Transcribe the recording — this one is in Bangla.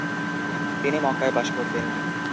তিনি মক্কায় বাস করতেন।